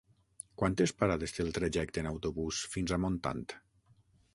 Quantes parades té el trajecte en autobús fins a Montant?